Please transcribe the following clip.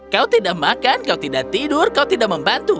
kau tidak makan kau tidak tidur kau tidak membantu